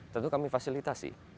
tentu kami fasilitasi